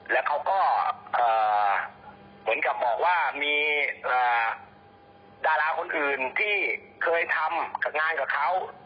แล้วเขาก็เหมือนกับบอกว่ามีดาราคนอื่นที่เคยทำงานกับเขา